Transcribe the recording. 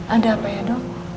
ada apa ya dok